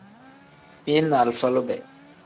Mili ni alifa lube.